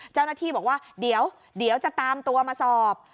เจ้าหน้าที่บอกว่าเดี๋ยวจะตามตัวมาสอบ